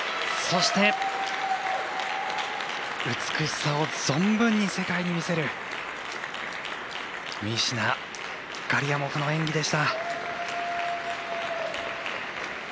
そして、美しさを存分に世界に見せるミシナ、ガリアモフの演技でした。